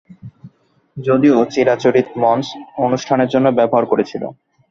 যদিও চিরাচরিত মঞ্চ অনুষ্ঠানের জন্য ব্যবহার করে ছিল।